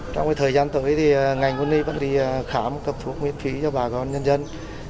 trong thời gian tới ngành quân y vẫn đi khám cấp thuốc miễn phí cho bà con nhân dân